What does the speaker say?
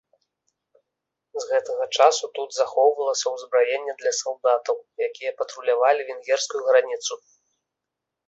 З гэтага часу тут захоўвалася ўзбраенне для салдатаў, якія патрулявалі венгерскую граніцу.